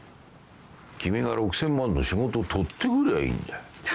君が６，０００万の仕事を取ってくりゃあいいんだよ。